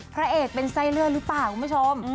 พระเอกเป็นไส้เลือดหรือเปล่าคุณผู้ชม